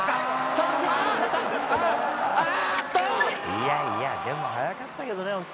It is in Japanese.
いやいやでも、速かったけどね。